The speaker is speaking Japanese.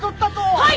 はい！